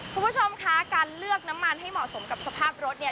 คุณผู้ชมคะการเลือกน้ำมันให้เหมาะสมกับสภาพรถเนี่ย